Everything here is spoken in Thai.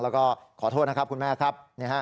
แล้วก็ขอโทษนะครับคุณแม่ครับ